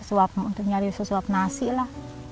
untuk nyari sesuap nasi lah